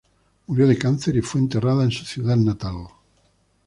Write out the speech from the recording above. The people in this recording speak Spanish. Murió de cáncer y fue enterrada en su ciudad natal.